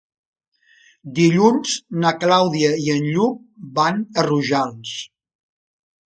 Dilluns na Clàudia i en Lluc van a Rojals.